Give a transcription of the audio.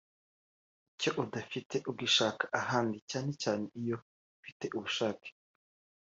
Icyo udafite ugishaka ahandi cyane cyane iyo ufite ubushake